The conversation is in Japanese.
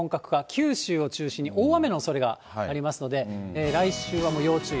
九州を中心に大雨のおそれがありますので、来週はもう要注意。